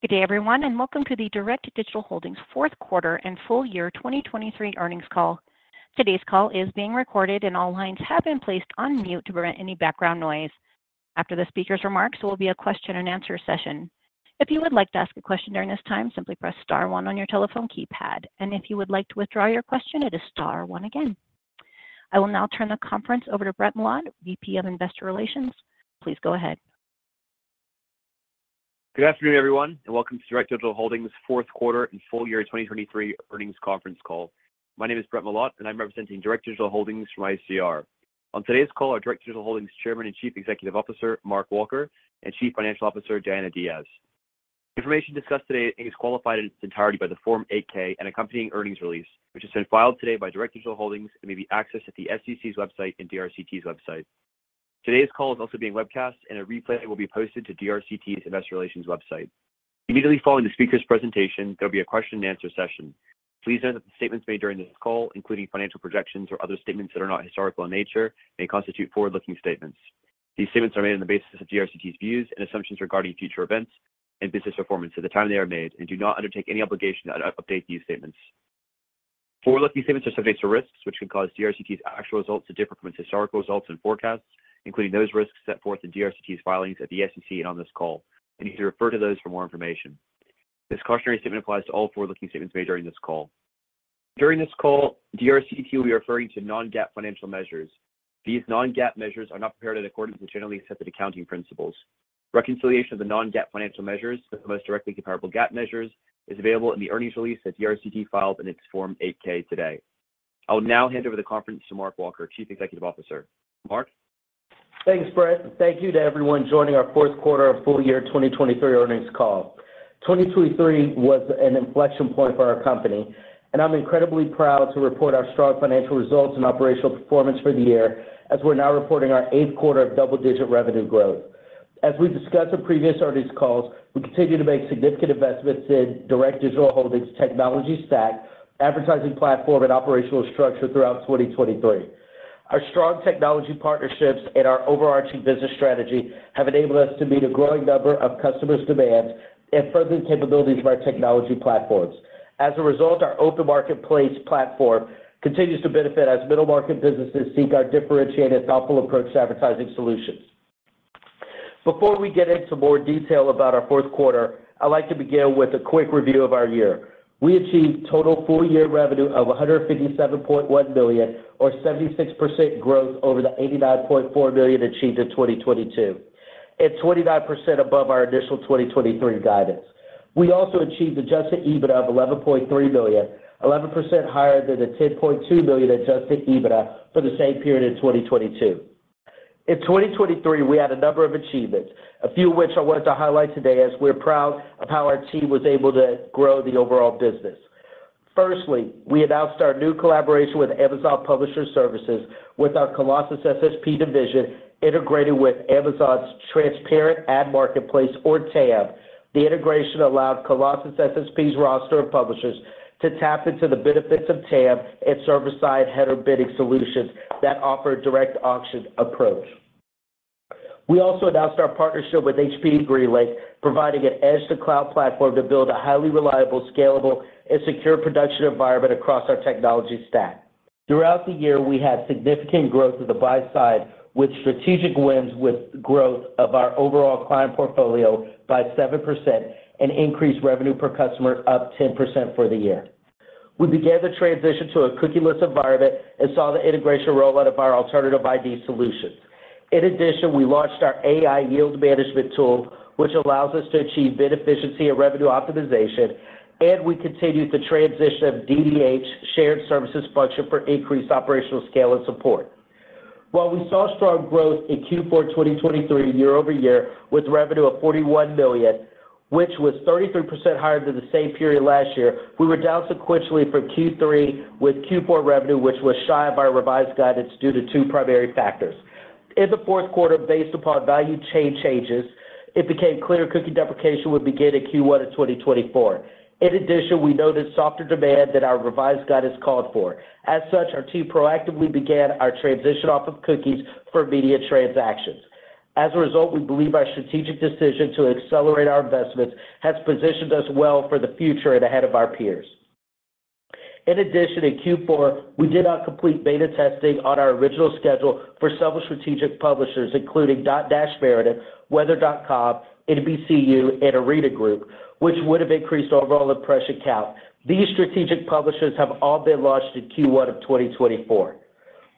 Good day, everyone, and welcome to the Direct Digital Holdings Fourth Quarter and full year 2023 Earnings Call. Today's call is being recorded, and all lines have been placed on mute to prevent any background noise. After the speaker's remarks, there will be a question-and-answer session. If you would like to ask a question during this time, simply press star 1 on your telephone keypad, and if you would like to withdraw your question, it is star 1 again. I will now turn the conference over to Brett Milotte, VP of Investor Relations. Please go ahead. Good afternoon, everyone, and welcome to Direct Digital Holdings fourth quarter and full year 2023 earnings conference call. My name is Brett Milotte, and I'm representing Direct Digital Holdings from ICR. On today's call are Direct Digital Holdings Chairman and Chief Executive Officer Mark Walker and Chief Financial Officer Diana Diaz. Information discussed today is qualified in its entirety by the Form 8-K and accompanying earnings release, which has been filed today by Direct Digital Holdings and may be accessed at the SEC's website and DRCT's website. Today's call is also being webcast, and a replay will be posted to DRCT's Investor Relations website. Immediately following the speaker's presentation, there will be a question-and-answer session. Please note that the statements made during this call, including financial projections or other statements that are not historical in nature, may constitute forward-looking statements. These statements are made on the basis of DRCT's views and assumptions regarding future events and business performance at the time they are made and do not undertake any obligation to update these statements. Forward-looking statements are subject to risks, which can cause DRCT's actual results to differ from its historical results and forecasts, including those risks set forth in DRCT's filings at the SEC and on this call, and you can refer to those for more information. This cautionary statement applies to all forward-looking statements made during this call. During this call, DRCT will be referring to non-GAAP financial measures. These non-GAAP measures are not prepared in accordance with the generally accepted accounting principles. Reconciliation of the non-GAAP financial measures with the most directly comparable GAAP measures is available in the earnings release that DRCT filed in its Form 8-K today. I will now hand over the conference to Mark Walker, Chief Executive Officer. Mark? Thanks, Brett. Thank you to everyone joining our fourth quarter and full year 2023 earnings call. 2023 was an inflection point for our company, and I'm incredibly proud to report our strong financial results and operational performance for the year as we're now reporting our eighth quarter of double-digit revenue growth. As we discussed in previous earnings calls, we continue to make significant investments in Direct Digital Holdings' technology stack, advertising platform, and operational structure throughout 2023. Our strong technology partnerships and our overarching business strategy have enabled us to meet a growing number of customers' demands and further the capabilities of our technology platforms. As a result, our open marketplace platform continues to benefit as middle market businesses seek our differentiated, thoughtful approach to advertising solutions. Before we get into more detail about our fourth quarter, I'd like to begin with a quick review of our year. We achieved total full-year revenue of $157.1 million, or 76% growth over the $89.4 million achieved in 2022, and 29% above our initial 2023 guidance. We also achieved Adjusted EBITDA of $11.3 million, 11% higher than the $10.2 million Adjusted EBITDA for the same period in 2022. In 2023, we had a number of achievements, a few of which I wanted to highlight today as we're proud of how our team was able to grow the overall business. Firstly, we announced our new collaboration with Amazon Publisher Services with our Colossus SSP division integrated with Amazon's Transparent Ad Marketplace, or TAM. The integration allowed Colossus SSP's roster of publishers to tap into the benefits of TAM and server-side heterogeneous solutions that offer a direct auction approach. We also announced our partnership with HPE GreenLake, providing an edge-to-cloud platform to build a highly reliable, scalable, and secure production environment across our technology stack. Throughout the year, we had significant growth of the buy-side with strategic wins with growth of our overall client portfolio by 7% and increased revenue per customer up 10% for the year. We began the transition to a cookieless environment and saw the integration roll out of our alternative ID solutions. In addition, we launched our AI yield management tool, which allows us to achieve bid efficiency and revenue optimization, and we continued the transition of DDH, shared services function, for increased operational scale and support. While we saw strong growth in Q4 2023 year over year with revenue of $41 million, which was 33% higher than the same period last year, we were down sequentially from Q3 with Q4 revenue, which was shy of our revised guidance due to two primary factors. In the fourth quarter, based upon value chain changes, it became clear cookie deprecation would begin at Q1 of 2024. In addition, we noticed softer demand than our revised guidance called for. As such, our team proactively began our transition off of cookies for media transactions. As a result, we believe our strategic decision to accelerate our investments has positioned us well for the future and ahead of our peers. In addition, in Q4, we did not complete beta testing on our original schedule for several strategic publishers, including Dotdash Meredith, Weather.com, NBCU, and The Arena Group, which would have increased overall impression count. These strategic publishers have all been launched in Q1 of 2024.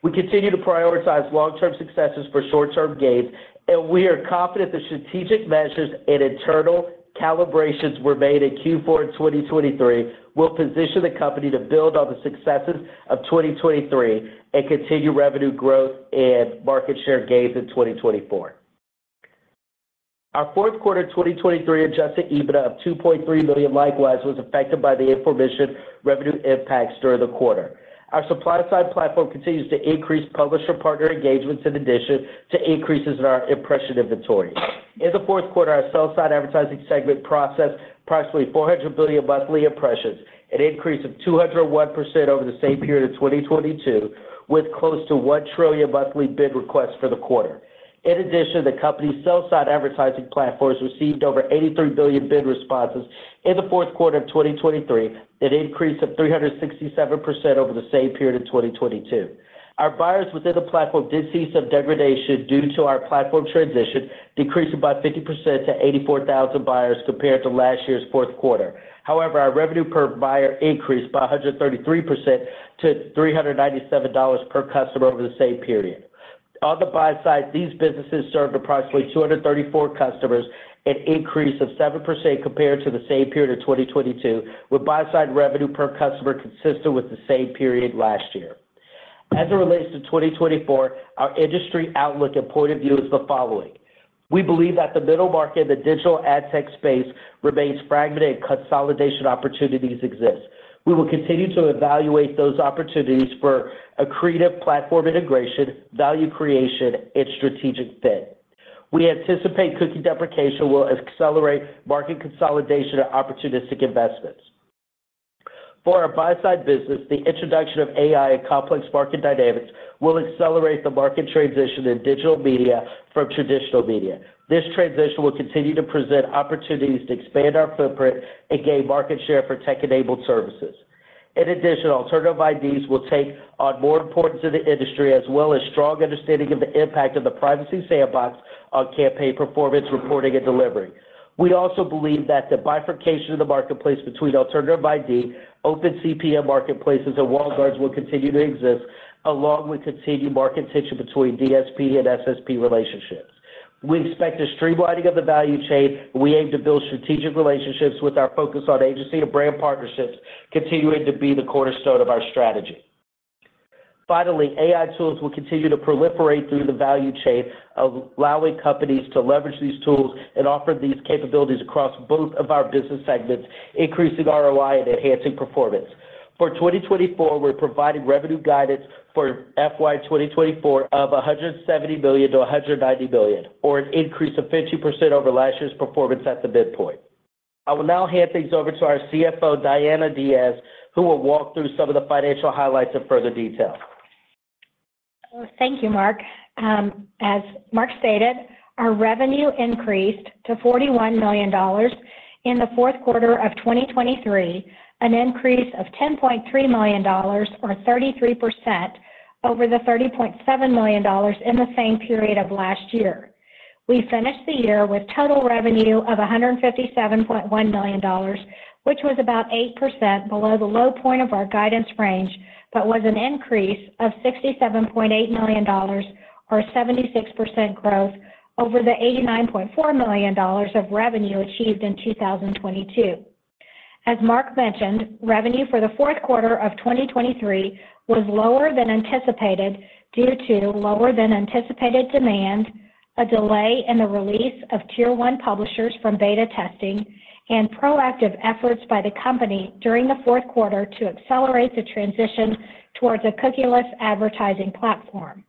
We continue to prioritize long-term successes for short-term gains, and we are confident the strategic measures and internal calibrations were made in Q4 2023 will position the company to build on the successes of 2023 and continue revenue growth and market share gains in 2024. Our fourth quarter 2023 Adjusted EBITDA of $2.3 million likewise was affected by the information revenue impacts during the quarter. Our supply-side platform continues to increase publisher-partner engagements in addition to increases in our impression inventory. In the fourth quarter, our sell-side advertising segment processed approximately 400 billion monthly impressions, an increase of 201% over the same period of 2022, with close to 1 trillion monthly bid requests for the quarter. In addition, the company's sell-side advertising platforms received over 83 billion bid responses in the fourth quarter of 2023, an increase of 367% over the same period in 2022. Our buyers within the platform did see some degradation due to our platform transition, decreasing by 50% to 84,000 buyers compared to last year's fourth quarter. However, our revenue per buyer increased by 133% to $397 per customer over the same period. On the buy side, these businesses served approximately 234 customers, an increase of 7% compared to the same period of 2022, with buy-side revenue per customer consistent with the same period last year. As it relates to 2024, our industry outlook and point of view is the following. We believe that the middle market in the digital ad tech space remains fragmented, and consolidation opportunities exist. We will continue to evaluate those opportunities for a creative platform integration, value creation, and strategic fit. We anticipate cookie deprecation will accelerate market consolidation and opportunistic investments. For our buy-side business, the introduction of AI and complex market dynamics will accelerate the market transition in digital media from traditional media. This transition will continue to present opportunities to expand our footprint and gain market share for tech-enabled services. In addition, alternative IDs will take on more importance in the industry, as well as strong understanding of the impact of the Privacy Sandbox on campaign performance, reporting, and delivery. We also believe that the bifurcation of the marketplace between alternative ID, open CPM marketplaces, and walled gardens will continue to exist, along with continued market tension between DSP and SSP relationships. We expect a streamlining of the value chain, and we aim to build strategic relationships with our focus on agency and brand partnerships, continuing to be the cornerstone of our strategy. Finally, AI tools will continue to proliferate through the value chain, allowing companies to leverage these tools and offer these capabilities across both of our business segments, increasing ROI and enhancing performance. For 2024, we're providing revenue guidance for FY 2024 of $170 million-$190 million, or an increase of 50% over last year's performance at the midpoint. I will now hand things over to our CFO, Diana Diaz, who will walk through some of the financial highlights in further detail. Thank you, Mark. As Mark stated, our revenue increased to $41 million in the fourth quarter of 2023, an increase of $10.3 million, or 33%, over the $30.7 million in the same period of last year. We finished the year with total revenue of $157.1 million, which was about 8% below the low point of our guidance range but was an increase of $67.8 million, or 76% growth, over the $89.4 million of revenue achieved in 2022. As Mark mentioned, revenue for the fourth quarter of 2023 was lower than anticipated due to lower than anticipated demand, a delay in the release of tier one publishers from beta testing, and proactive efforts by the company during the fourth quarter to accelerate the transition towards a cookieless advertising platform.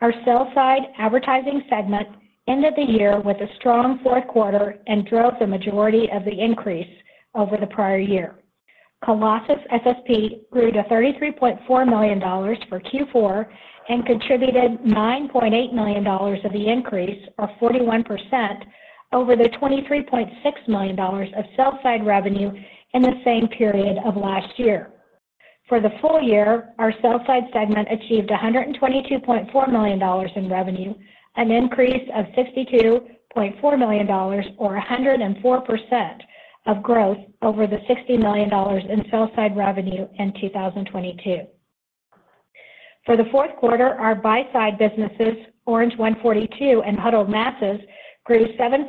Our sell-side advertising segment ended the year with a strong fourth quarter and drove the majority of the increase over the prior year. Colossus SSP grew to $33.4 million for Q4 and contributed $9.8 million of the increase, or 41%, over the $23.6 million of sell-side revenue in the same period of last year. For the full year, our sell-side segment achieved $122.4 million in revenue, an increase of $62.4 million, or 104%, of growth over the $60 million in sell-side revenue in 2022. For the fourth quarter, our buy-side businesses, Orange 142 and Huddled Masses, grew 7%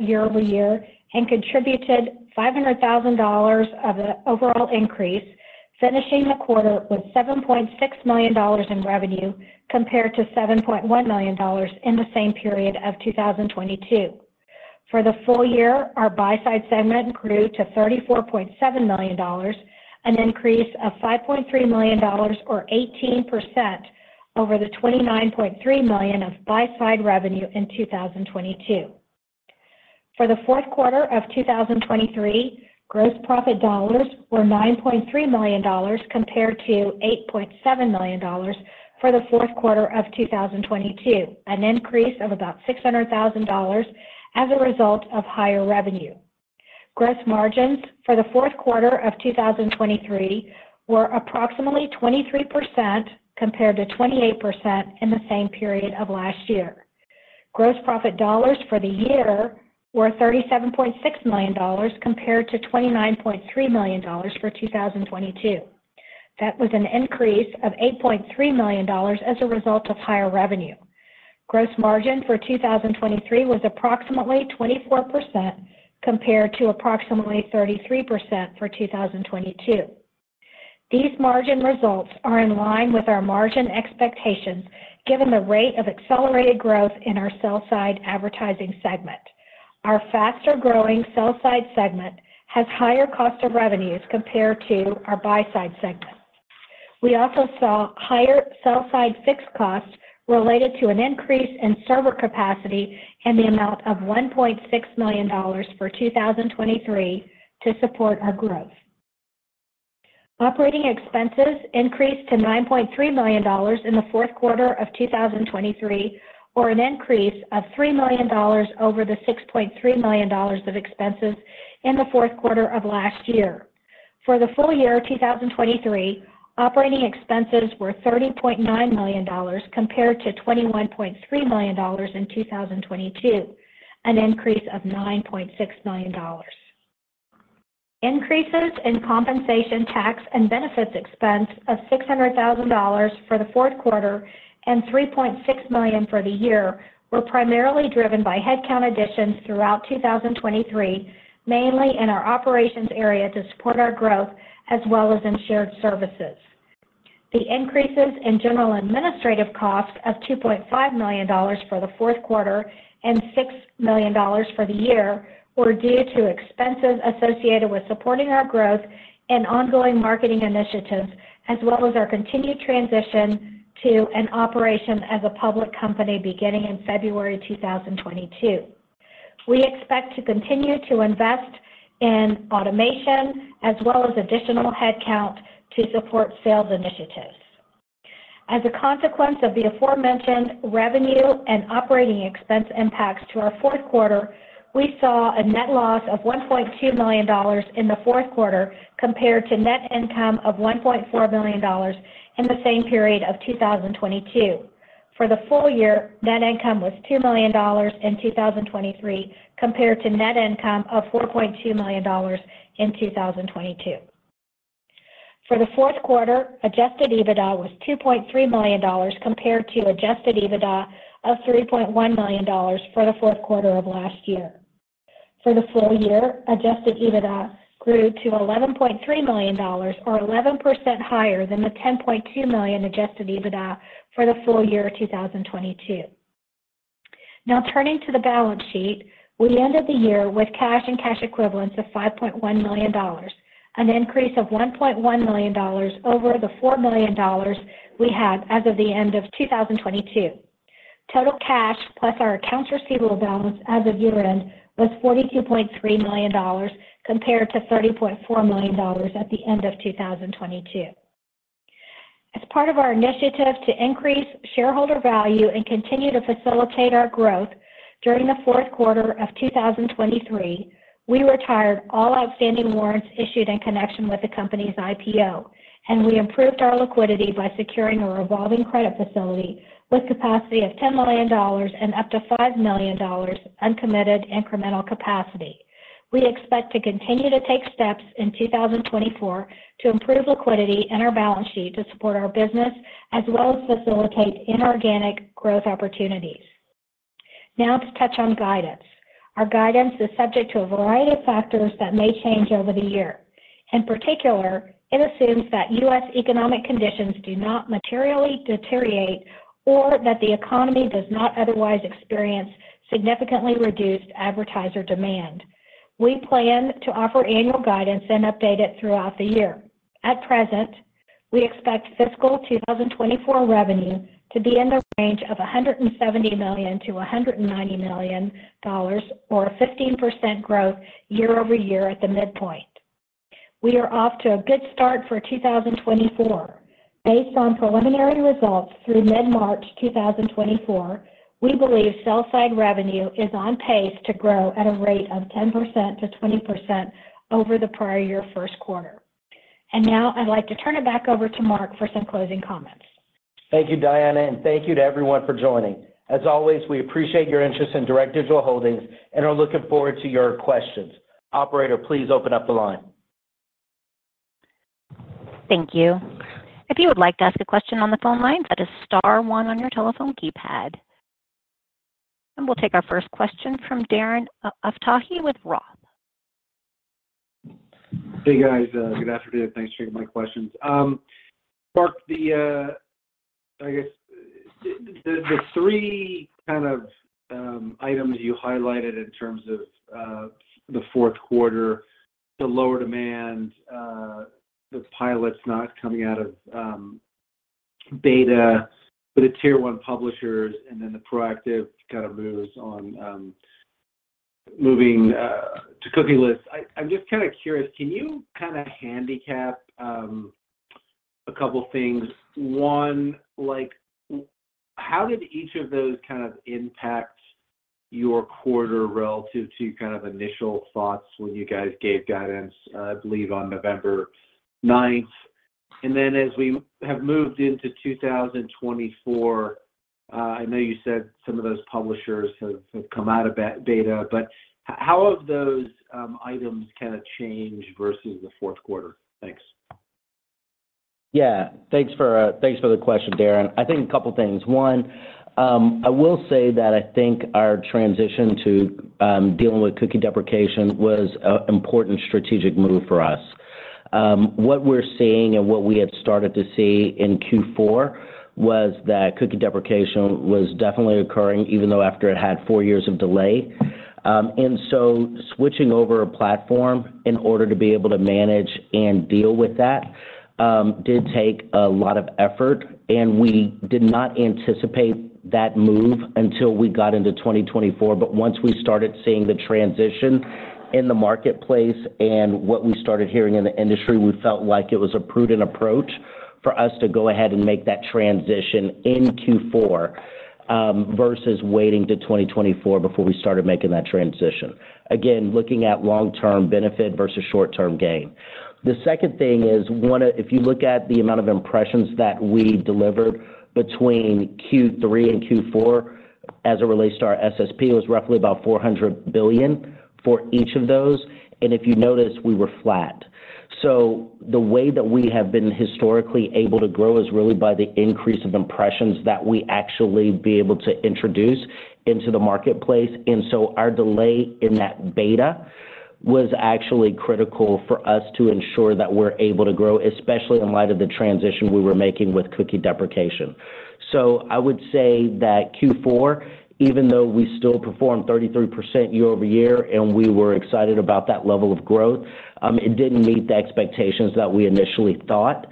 year-over-year and contributed $500,000 of the overall increase, finishing the quarter with $7.6 million in revenue compared to $7.1 million in the same period of 2022. For the full year, our buy-side segment grew to $34.7 million, an increase of $5.3 million, or 18%, over the $29.3 million of buy-side revenue in 2022. For the fourth quarter of 2023, gross profit dollars were $9.3 million compared to $8.7 million for the fourth quarter of 2022, an increase of about $600,000 as a result of higher revenue. Gross margins for the fourth quarter of 2023 were approximately 23% compared to 28% in the same period of last year. Gross profit dollars for the year were $37.6 million compared to $29.3 million for 2022. That was an increase of $8.3 million as a result of higher revenue. Gross margin for 2023 was approximately 24% compared to approximately 33% for 2022. These margin results are in line with our margin expectations given the rate of accelerated growth in our sell-side advertising segment. Our faster-growing sell-side segment has higher cost of revenues compared to our buy-side segment. We also saw higher sell-side fixed costs related to an increase in server capacity and the amount of $1.6 million for 2023 to support our growth. Operating expenses increased to $9.3 million in the fourth quarter of 2023, or an increase of $3 million over the $6.3 million of expenses in the fourth quarter of last year. For the full year 2023, operating expenses were $30.9 million compared to $21.3 million in 2022, an increase of $9.6 million. Increases in compensation, tax, and benefits expense of $600,000 for the fourth quarter and $3.6 million for the year were primarily driven by headcount additions throughout 2023, mainly in our operations area to support our growth as well as in shared services. The increases in general administrative costs of $2.5 million for the fourth quarter and $6 million for the year were due to expenses associated with supporting our growth and ongoing marketing initiatives, as well as our continued transition to an operation as a public company beginning in February 2022. We expect to continue to invest in automation as well as additional headcount to support sales initiatives. As a consequence of the aforementioned revenue and operating expense impacts to our fourth quarter, we saw a net loss of $1.2 million in the fourth quarter compared to net income of $1.4 million in the same period of 2022. For the full year, net income was $2 million in 2023 compared to net income of $4.2 million in 2022. For the fourth quarter, Adjusted EBITDA was $2.3 million compared to Adjusted EBITDA of $3.1 million for the fourth quarter of last year. For the full year, adjusted EBITDA grew to $11.3 million, or 11% higher than the $10.2 million adjusted EBITDA for the full year 2022. Now, turning to the balance sheet, we ended the year with cash and cash equivalents of $5.1 million, an increase of $1.1 million over the $4 million we had as of the end of 2022. Total cash plus our accounts receivable balance as of year-end was $42.3 million compared to $30.4 million at the end of 2022. As part of our initiative to increase shareholder value and continue to facilitate our growth during the fourth quarter of 2023, we retired all outstanding warrants issued in connection with the company's IPO, and we improved our liquidity by securing a revolving credit facility with capacity of $10 million and up to $5 million uncommitted incremental capacity. We expect to continue to take steps in 2024 to improve liquidity in our balance sheet to support our business as well as facilitate inorganic growth opportunities. Now, to touch on guidance. Our guidance is subject to a variety of factors that may change over the year. In particular, it assumes that U.S. economic conditions do not materially deteriorate or that the economy does not otherwise experience significantly reduced advertiser demand. We plan to offer annual guidance and update it throughout the year. At present, we expect fiscal 2024 revenue to be in the range of $170 million-$190 million, or a 15% growth year-over-year at the midpoint. We are off to a good start for 2024. Based on preliminary results through mid-March 2024, we believe sell-side revenue is on pace to grow at a rate of 10%-20% over the prior year first quarter. And now, I'd like to turn it back over to Mark for some closing comments. Thank you, Diana, and thank you to everyone for joining. As always, we appreciate your interest in Direct Digital Holdings and are looking forward to your questions. Operator, please open up the line. Thank you. If you would like to ask a question on the phone line, that is star one on your telephone keypad. We'll take our first question from Darren Aftahi with Roth. Hey guys, good afternoon. Thanks for taking my questions. Mark, I guess the three kind of items you highlighted in terms of the fourth quarter, the lower demand, the pilots not coming out of beta, but the tier one publishers, and then the proactive kind of moves on moving to cookieless. I'm just kind of curious, can you kind of handicap a couple of things? One, how did each of those kind of impact your quarter relative to kind of initial thoughts when you guys gave guidance, I believe, on November 9th? And then as we have moved into 2024, I know you said some of those publishers have come out of beta, but how have those items kind of changed versus the fourth quarter? Thanks. Yeah, thanks for the question, Darren. I think a couple of things. One, I will say that I think our transition to dealing with cookie deprecation was an important strategic move for us. What we're seeing and what we had started to see in Q4 was that cookie deprecation was definitely occurring, even though after it had four years of delay. And so switching over a platform in order to be able to manage and deal with that did take a lot of effort, and we did not anticipate that move until we got into 2024. But once we started seeing the transition in the marketplace and what we started hearing in the industry, we felt like it was a prudent approach for us to go ahead and make that transition in Q4 versus waiting to 2024 before we started making that transition. Again, looking at long-term benefit versus short-term gain. The second thing is, if you look at the amount of impressions that we delivered between Q3 and Q4 as it relates to our SSP, it was roughly about 400 billion for each of those. And if you notice, we were flat. So the way that we have been historically able to grow is really by the increase of impressions that we actually be able to introduce into the marketplace. And so our delay in that beta was actually critical for us to ensure that we're able to grow, especially in light of the transition we were making with cookie deprecation. So I would say that Q4, even though we still performed 33% year-over-year and we were excited about that level of growth, it didn't meet the expectations that we initially thought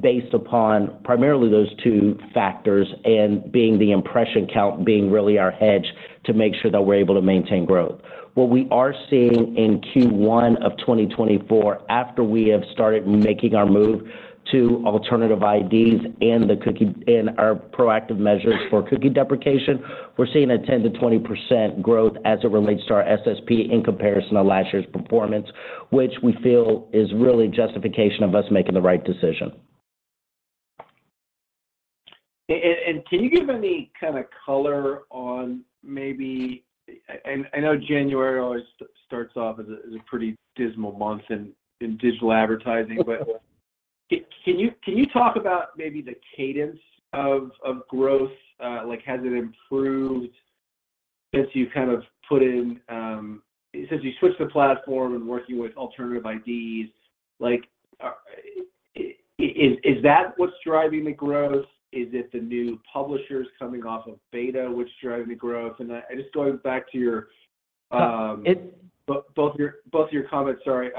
based upon primarily those two factors and the impression count being really our hedge to make sure that we're able to maintain growth. What we are seeing in Q1 of 2024, after we have started making our move to alternative IDs and our proactive measures for cookie deprecation, we're seeing a 10%-20% growth as it relates to our SSP in comparison to last year's performance, which we feel is really justification of us making the right decision. Can you give any kind of color on maybe? I know January always starts off as a pretty dismal month in digital advertising, but can you talk about maybe the cadence of growth? Has it improved since you've kind of put in since you switched the platform and working with alternative IDs? Is that what's driving the growth? Is it the new publishers coming off of beta which is driving the growth? And just going back to both your comments, sorry.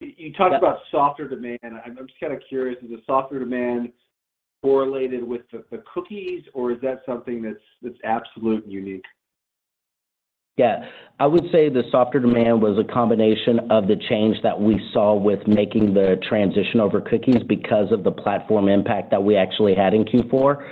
You talked about softer demand. I'm just kind of curious, is the softer demand correlated with the cookies, or is that something that's absolute and unique? Yeah, I would say the softer demand was a combination of the change that we saw with making the transition over cookies because of the platform impact that we actually had in Q4.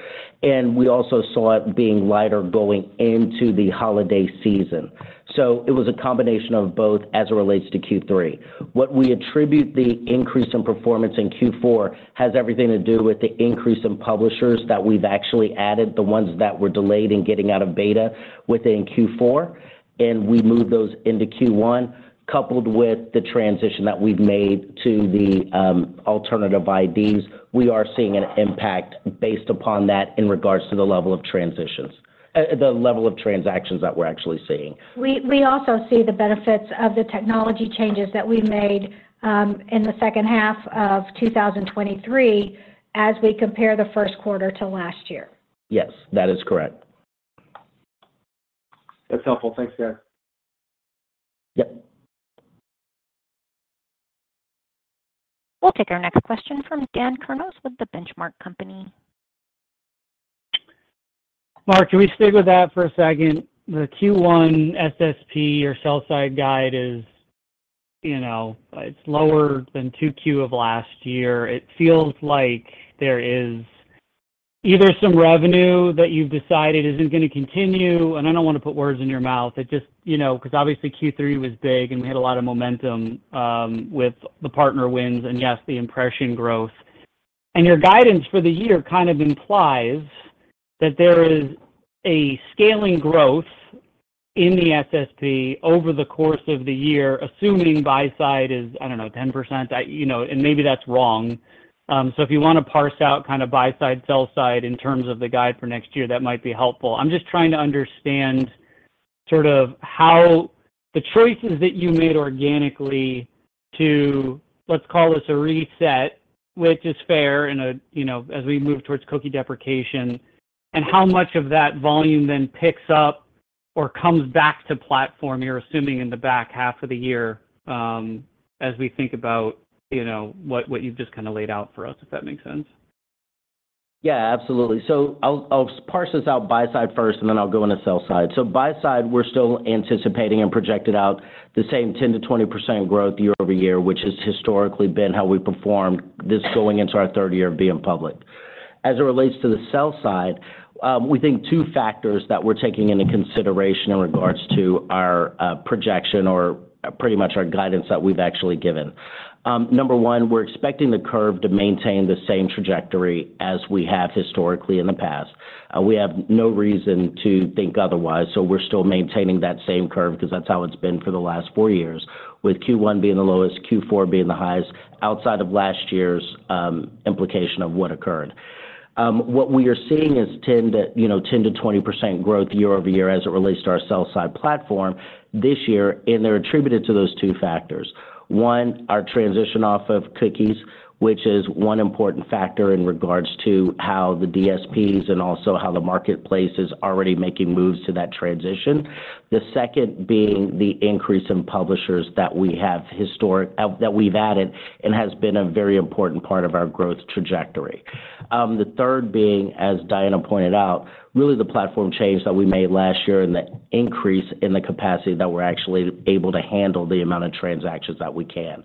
And we also saw it being lighter going into the holiday season. So it was a combination of both as it relates to Q3. What we attribute the increase in performance in Q4 has everything to do with the increase in publishers that we've actually added, the ones that were delayed in getting out of beta within Q4. And we moved those into Q1. Coupled with the transition that we've made to the alternative IDs, we are seeing an impact based upon that in regards to the level of transitions the level of transactions that we're actually seeing. We also see the benefits of the technology changes that we made in the second half of 2023 as we compare the first quarter to last year. Yes, that is correct. That's helpful. Thanks, guys. Yep. We'll take our next question from Dan Kurnos with The Benchmark Company. Mark, can we stick with that for a second? The Q1 SSP, your sell-side guide, it's lower than 2Q of last year. It feels like there is either some revenue that you've decided isn't going to continue, and I don't want to put words in your mouth, because obviously, Q3 was big and we had a lot of momentum with the partner wins and, yes, the impression growth. And your guidance for the year kind of implies that there is a scaling growth in the SSP over the course of the year, assuming buy-side is, I don't know, 10%. And maybe that's wrong. So if you want to parse out kind of buy-side, sell-side in terms of the guide for next year, that might be helpful. I'm just trying to understand sort of how the choices that you made organically to, let's call this a reset, which is fair as we move towards Cookie Deprecation, and how much of that volume then picks up or comes back to platform, you're assuming in the back half of the year as we think about what you've just kind of laid out for us, if that makes sense? Yeah, absolutely. So I'll parse this out buy-side first, and then I'll go into sell-side. So buy-side, we're still anticipating and projecting out the same 10%-20% growth year-over-year, which has historically been how we performed this going into our third year of being public. As it relates to the sell-side, we think two factors that we're taking into consideration in regards to our projection or pretty much our guidance that we've actually given. Number one, we're expecting the curve to maintain the same trajectory as we have historically in the past. We have no reason to think otherwise. So we're still maintaining that same curve because that's how it's been for the last four years, with Q1 being the lowest, Q4 being the highest, outside of last year's implication of what occurred. What we are seeing is 10%-20% growth year-over-year as it relates to our sell-side platform this year, and they're attributed to those two factors. One, our transition off of cookies, which is one important factor in regards to how the DSPs and also how the marketplace is already making moves to that transition. The second being the increase in publishers that we have historically added and has been a very important part of our growth trajectory. The third being, as Diana pointed out, really the platform change that we made last year and the increase in the capacity that we're actually able to handle the amount of transactions that we can.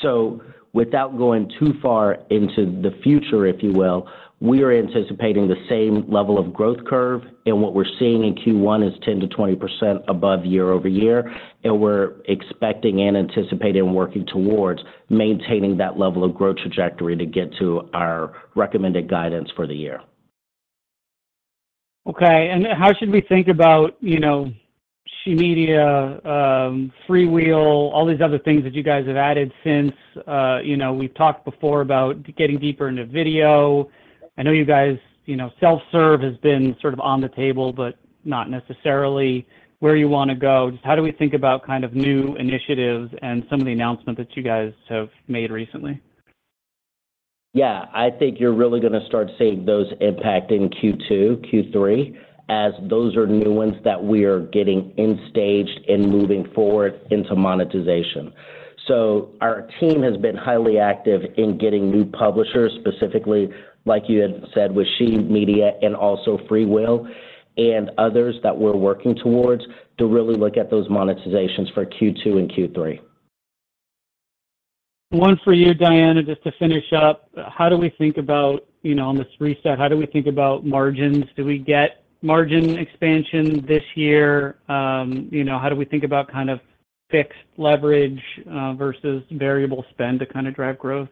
So without going too far into the future, if you will, we are anticipating the same level of growth curve. What we're seeing in Q1 is 10%-20% above year-over-year. We're expecting and anticipating and working towards maintaining that level of growth trajectory to get to our recommended guidance for the year. Okay, and how should we think about SHE Media, FreeWheel, all these other things that you guys have added since we've talked before about getting deeper into video? I know you guys self-serve has been sort of on the table, but not necessarily. Where do you want to go? Just how do we think about kind of new initiatives and some of the announcements that you guys have made recently? Yeah, I think you're really going to start seeing those impact in Q2, Q3, as those are new ones that we are getting in-staged and moving forward into monetization. So our team has been highly active in getting new publishers, specifically, like you had said, with SHE Media and also FreeWheel and others that we're working towards to really look at those monetizations for Q2 and Q3. One for you, Diana, just to finish up. How do we think about on this reset, how do we think about margins? Do we get margin expansion this year? How do we think about kind of fixed leverage versus variable spend to kind of drive growth?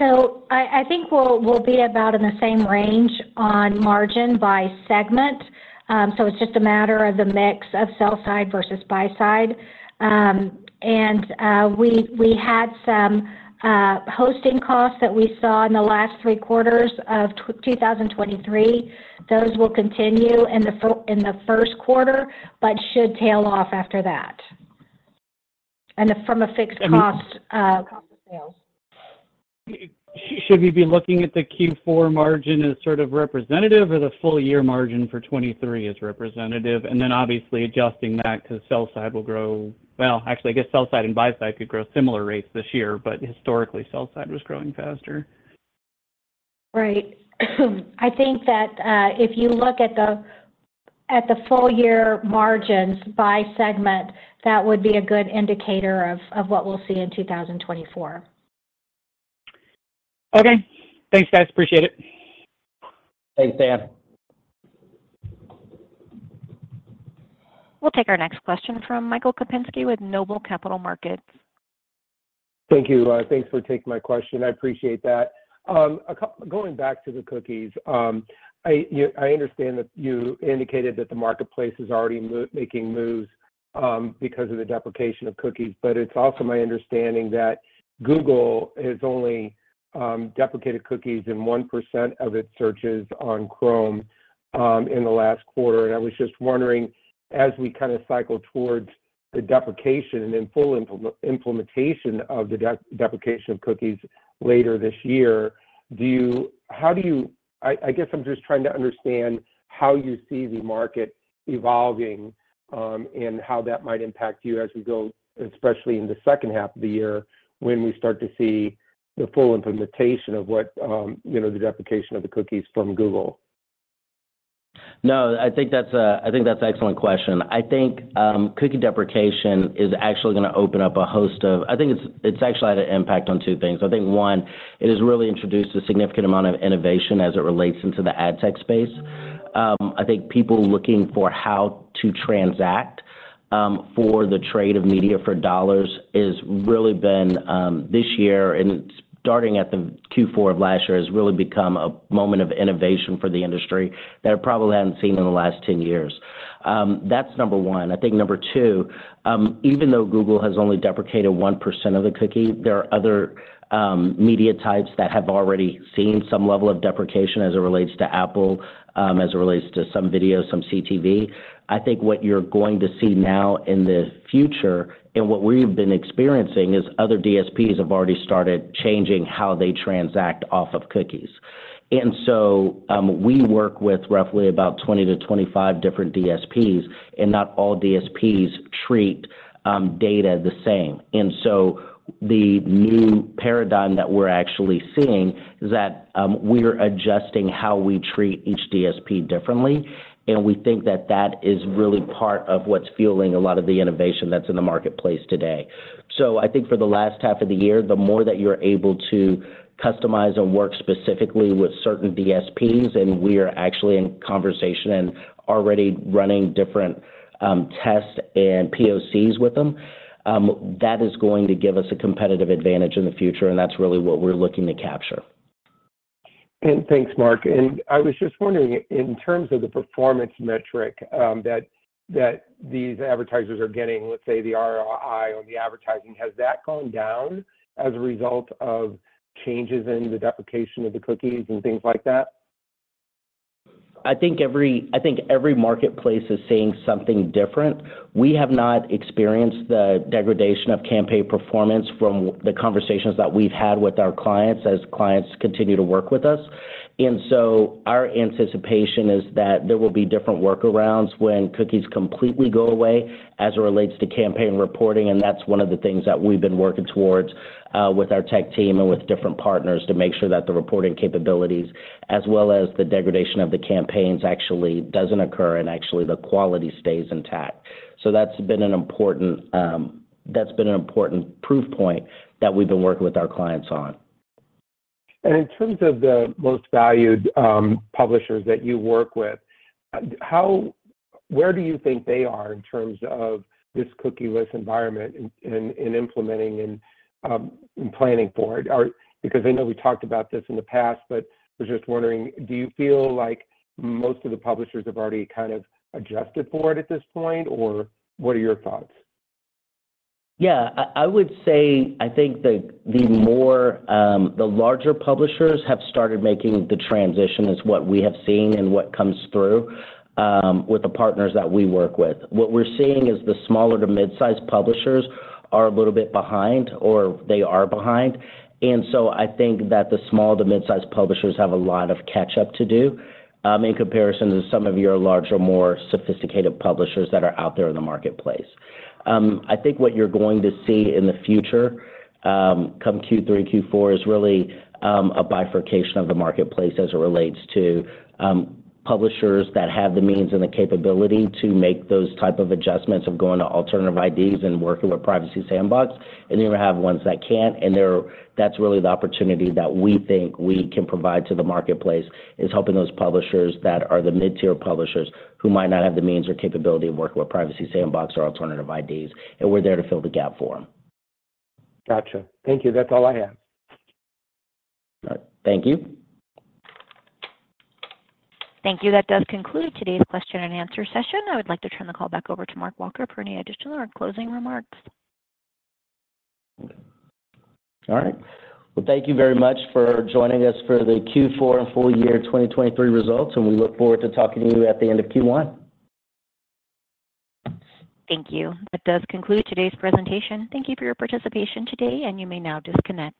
I think we'll be about in the same range on margin by segment. It's just a matter of the mix of sell-side versus buy-side. We had some hosting costs that we saw in the last three quarters of 2023. Those will continue in the first quarter, but should tail off after that from a fixed cost of sales. Should we be looking at the Q4 margin as sort of representative, or the full year margin for 2023 is representative? And then, obviously, adjusting that because sell-side will grow well, actually, I guess sell-side and buy-side could grow similar rates this year, but historically, sell-side was growing faster. Right. I think that if you look at the full year margins by segment, that would be a good indicator of what we'll see in 2024. Okay. Thanks, guys. Appreciate it. Thanks, Dan. We'll take our next question from Michael Kupinski with Noble Capital Markets. Thank you. Thanks for taking my question. I appreciate that. Going back to the cookies, I understand that you indicated that the marketplace is already making moves because of the deprecation of cookies, but it's also my understanding that Google has only deprecated cookies in 1% of its searches on Chrome in the last quarter. I was just wondering, as we kind of cycle towards the deprecation and then full implementation of the deprecation of cookies later this year, how do you, I guess, I'm just trying to understand how you see the market evolving and how that might impact you as we go, especially in the second half of the year when we start to see the full implementation of the deprecation of the cookies from Google. No, I think that's an excellent question. I think cookie deprecation is actually going to open up a host of I think it's actually had an impact on two things. I think, one, it has really introduced a significant amount of innovation as it relates into the ad tech space. I think people looking for how to transact for the trade of media for dollars has really been this year, and starting at the Q4 of last year has really become a moment of innovation for the industry that it probably hadn't seen in the last 10 years. That's number one. I think number two, even though Google has only deprecated 1% of the cookie, there are other media types that have already seen some level of deprecation as it relates to Apple, as it relates to some video, some CTV. I think what you're going to see now in the future and what we've been experiencing is other DSPs have already started changing how they transact off of cookies. And so we work with roughly about 20-25 different DSPs, and not all DSPs treat data the same. And so the new paradigm that we're actually seeing is that we're adjusting how we treat each DSP differently. And we think that that is really part of what's fueling a lot of the innovation that's in the marketplace today. So I think for the last half of the year, the more that you're able to customize and work specifically with certain DSPs, and we are actually in conversation and already running different tests and POCs with them, that is going to give us a competitive advantage in the future. And that's really what we're looking to capture. Thanks, Mark. I was just wondering, in terms of the performance metric that these advertisers are getting, let's say the ROI on the advertising, has that gone down as a result of changes in the deprecation of the cookies and things like that? I think every marketplace is saying something different. We have not experienced the degradation of campaign performance from the conversations that we've had with our clients as clients continue to work with us. And so our anticipation is that there will be different workarounds when cookies completely go away as it relates to campaign reporting. And that's one of the things that we've been working towards with our tech team and with different partners to make sure that the reporting capabilities, as well as the degradation of the campaigns, actually doesn't occur and actually the quality stays intact. So that's been an important proof point that we've been working with our clients on. In terms of the most valued publishers that you work with, where do you think they are in terms of this cookieless environment in implementing and planning for it? Because I know we talked about this in the past, but I was just wondering, do you feel like most of the publishers have already kind of adjusted for it at this point, or what are your thoughts? Yeah, I would say I think the larger publishers have started making the transition is what we have seen and what comes through with the partners that we work with. What we're seeing is the smaller to midsize publishers are a little bit behind, or they are behind. And so I think that the small to midsize publishers have a lot of catch-up to do in comparison to some of your larger more sophisticated publishers that are out there in the marketplace. I think what you're going to see in the future come Q3, Q4 is really a bifurcation of the marketplace as it relates to publishers that have the means and the capability to make those type of adjustments of going to Alternative IDs and working with Privacy Sandbox, and then you're going to have ones that can't. That's really the opportunity that we think we can provide to the marketplace is helping those publishers that are the mid-tier publishers who might not have the means or capability of working with Privacy Sandbox or Alternative IDs. We're there to fill the gap for them. Gotcha. Thank you. That's all I have. All right. Thank you. Thank you. That does conclude today's question and answer session. I would like to turn the call back over to Mark Walker for any additional or closing remarks. All right. Well, thank you very much for joining us for the Q4 and full year 2023 results. We look forward to talking to you at the end of Q1. Thank you. That does conclude today's presentation. Thank you for your participation today, and you may now disconnect.